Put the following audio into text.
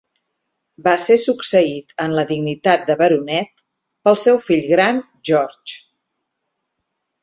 Va ser succeït en la dignitat de baronet pel seu fill gran George.